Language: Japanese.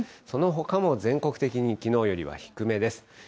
そのほかも全国的にきのうよりは低めです。